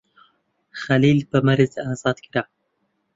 خەلیل بە مەرج ئازاد کرا.